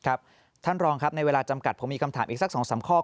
ท่านรองครับในเวลาจำกัดผมมีคำถามอีกสัก๒๓ข้อ